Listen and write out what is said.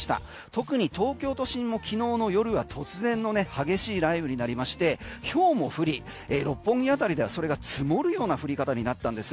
特に東京都心の昨日の夜は突然の激しい雷雨になりましてひょうも降り、六本木辺りではそれが積もるような降り方になったんです。